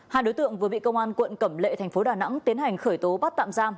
hai đối tượng vừa bị công an quận cẩm lệ thành phố đà nẵng tiến hành khởi tố bắt tạm giam